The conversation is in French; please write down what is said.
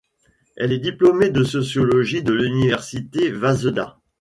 Elle est diplômée de sociologie de l'université Waseda.